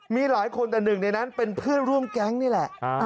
มีหลายคนแต่หนึ่งในนั้นเป็นเพื่อนร่วมแก๊งนี่แหละ